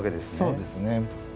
そうですね。